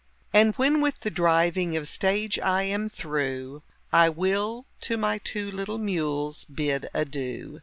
And when with the driving of stage I am through I will to my two little mules bid adieu.